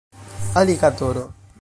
aligatoro